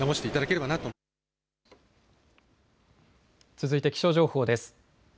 続いて気象情報です。